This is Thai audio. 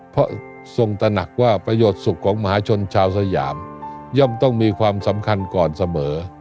เพราะทรงตระหนักว่าประโยชน์สุขของมหาชนชาวสยามย่อมต้องมีความสำคัญก่อนเสมอ